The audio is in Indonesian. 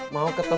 ya udah dah